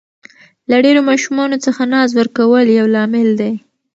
له ډېرو ماشومانو څخه ناز ورکول یو لامل دی.